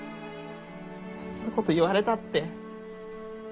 そんなこと言われたって。